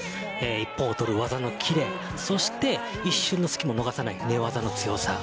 一本をとる技の切れそして一瞬の隙も逃さない寝技の強さ。